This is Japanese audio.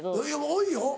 多いよ。